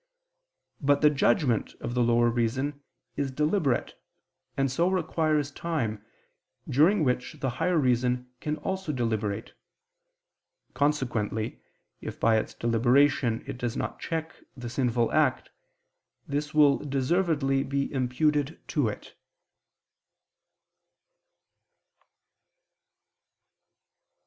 But the judgment of the lower reason is deliberate, and so requires time, during which the higher reason can also deliberate; consequently, if by its deliberation it does not check the sinful act, this will deservedly be imputed to it.